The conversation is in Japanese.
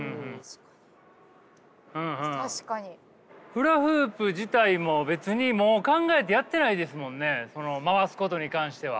フラフープ自体も別にもう考えてやってないですもんね回すことに関しては。